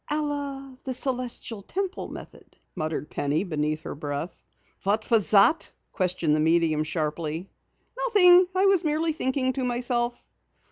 "A la the Celestial Temple method," muttered Penny beneath her breath. "What was that?" questioned the medium sharply. "Nothing. I was merely thinking to myself."